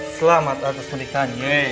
selamat atas penikahan yei